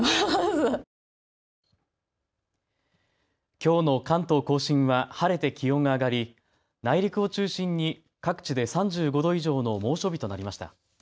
きょうの関東甲信は晴れて気温が上がり内陸を中心に各地で３５度以上の猛暑日となりました。